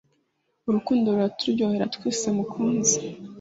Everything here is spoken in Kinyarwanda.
urukundo ruraturyohera twese mukunzi.